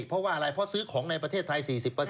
เพราะว่าอะไรเพราะซื้อของในประเทศไทย๔๐